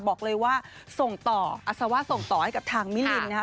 บอกเลยว่าส่งต่ออัศวะส่งต่อให้กับทางมิลินนะครับ